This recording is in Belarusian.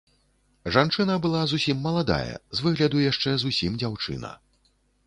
Жанчына была зусім маладая, з выгляду яшчэ зусім дзяўчына.